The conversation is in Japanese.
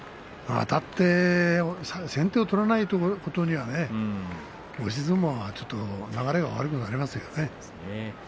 あたって先手を取らないことにはね押し相撲は流れが悪くなりますよね。